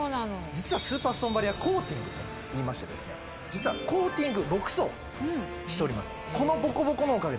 実は「スーパーストーンバリアコーティング」といいましてコーティング６層しております。